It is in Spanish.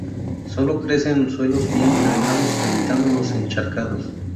Sólo crece en suelos bien drenados, evitando los encharcados.